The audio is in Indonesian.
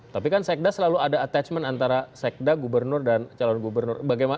tapi kan sekda selalu ada attachment antara sekda gubernur dan calon gubernur